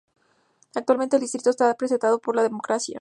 Actualmente el distrito está representado por la Demócrata Corrine Brown.